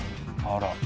あら。